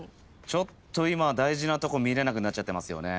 ちょっと今大事なとこ見れなくなっちゃってますよね。